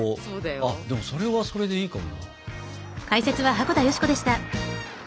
あっそれはそれでいいかも。